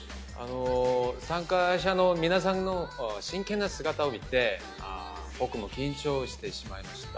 参加者の皆さんの真剣な姿を見て僕も緊張してしまいました。